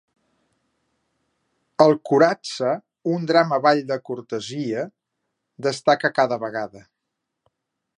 El "kuratsa", un drama ball de cortesia, destaca cada vegada.